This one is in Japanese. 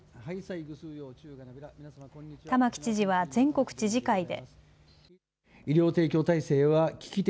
玉城知事は全国知事会で。